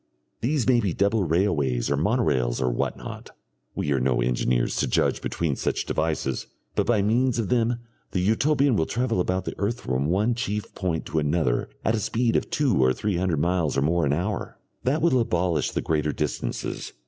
These may be double railways or monorails or what not we are no engineers to judge between such devices but by means of them the Utopian will travel about the earth from one chief point to another at a speed of two or three hundred miles or more an hour. That will abolish the greater distances....